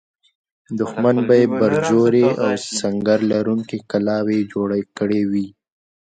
دښمن به یې برجورې او سنګر لرونکې کلاوې جوړې کړې وي.